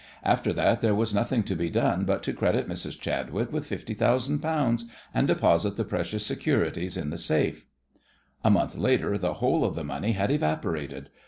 After that there was nothing to be done but to credit Mrs. Chadwick with fifty thousand pounds, and deposit the precious securities in the safe. A month later the whole of the money had evaporated.